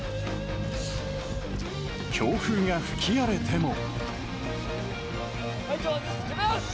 強風が吹き荒れても。